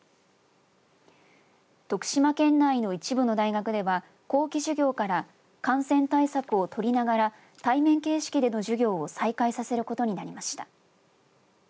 徳島県内の一部の大学では後期授業から感染対策を取りながら対面形式での授業を再開させることになりました。